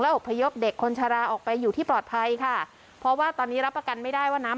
อบพยพเด็กคนชะลาออกไปอยู่ที่ปลอดภัยค่ะเพราะว่าตอนนี้รับประกันไม่ได้ว่าน้ำ